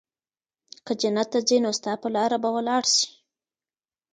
که جنت ته ځي نو ستا په لار به ولاړ سي